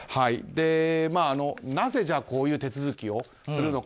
なぜ、こういう手続きをするのか。